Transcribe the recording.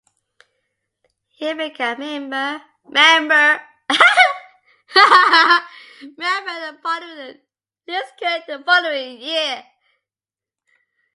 He became Member of Parliament for Liskeard the following year.